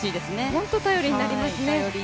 本当に頼りになりますね。